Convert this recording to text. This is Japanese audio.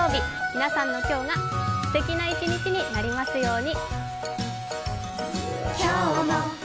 皆さんの今日が素敵な１日になりますように。